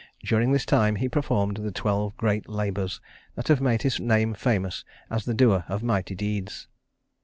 During this time he performed the twelve great labors that have made his name famous as the doer of mighty deeds.